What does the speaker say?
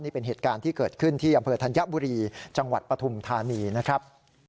นี่เป็นเหตุการณ์ที่เกิดขึ้นที่อำเภอธัญบุรีจังหวัดปฐุมธานีนะครับ